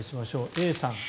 Ａさん。